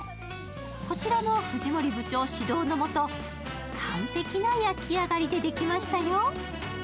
こちらも藤森部長指導のもと、完璧な焼き上がりでできましたよ。